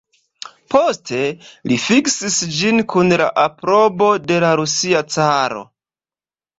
Poste li fiksis ĝin kun la aprobo de la Rusia Caro.